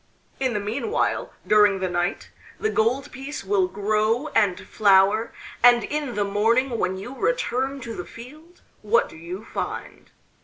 In the meanwhile, during the night, the gold piece will grow and flower, and in the morning when you return to the field, what do you find?